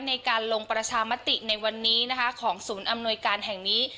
ในการลงประชามติในวันนี้นะคะของศูนย์อำนวยการแห่งนี้